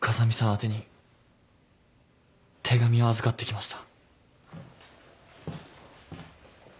宛てに手紙を預かってきました。